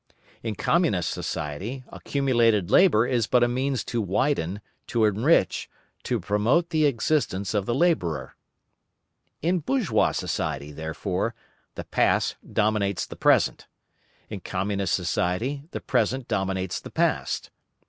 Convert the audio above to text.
In Communist society, accumulated labour is but a means to widen, to enrich, to promote the existence of the labourer. In bourgeois society, therefore, the past dominates the present; in Communist society, the present dominates the past.